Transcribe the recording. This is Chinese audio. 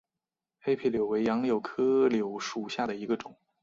黑皮柳为杨柳科柳属下的一个种。